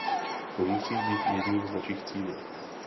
To musí být jedním z našich cílů.